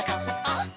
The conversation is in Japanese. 「あっ！